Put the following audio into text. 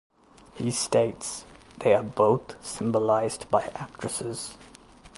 He states they are both symbolized by actresses.